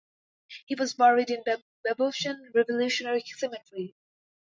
He was buried in Babaoshan Revolutionary Cemetery.